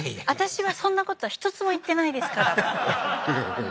私はそんなこと一つも言ってないですからふふ